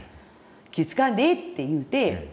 「気ぃ遣わんでええ」って言うて。